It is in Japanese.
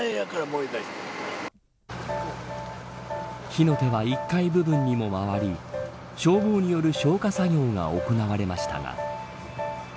火の手は１階部分にもまわり消防による消火作業が行われましたが。